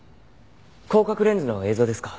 広角レンズの映像ですか。